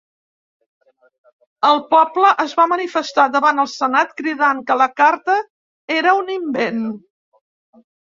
El poble es va manifestar davant el senat cridant que la carta era un invent.